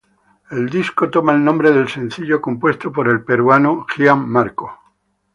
El disco toma el nombre del sencillo compuesto por el peruano Gian Marco.